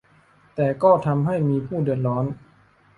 แต่ก็ทำให้มีผู้เดือดร้อน